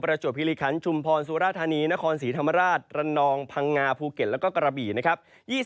จวบคิริคันชุมพรสุราธานีนครศรีธรรมราชระนองพังงาภูเก็ตแล้วก็กระบี่นะครับ